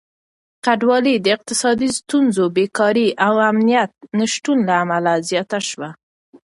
کډوالي د اقتصادي ستونزو، بېکاري او امنيت د نشتون له امله زياته شوه.